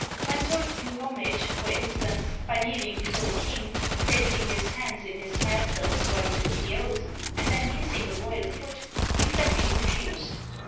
When told to do homage, for instance, by kneel ing before the king, placing his hands in his master's while he took the oath, and then kissing the royal foot, he flatly refused.